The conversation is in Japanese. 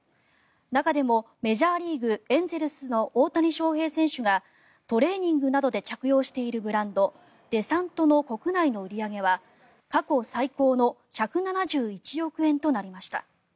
中でもメジャーリーグエンゼルスの大谷翔平選手がトレーニングなどで着用しているブランドデサントの国内の売り上げは過去最高の１７１億円となりました。